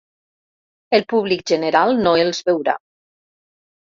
El públic general no els veurà.